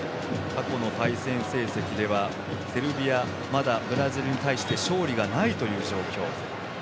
過去の対戦成績ではセルビアまだブラジルに対して勝利がないという状況。